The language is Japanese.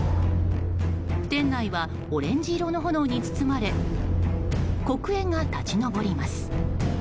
店内はオレンジ色の炎に包まれ黒煙が立ち上ります。